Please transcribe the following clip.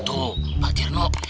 tuh pak tirno